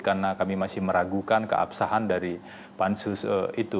karena kami masih meragukan keabsahan dari pansus itu